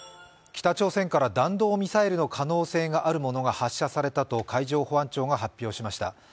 北朝鮮から弾道ミサイルの可能性があるものが発射されたと海上保安庁が発表しました。